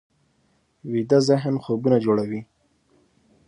ویده ذهن خوبونه جوړوي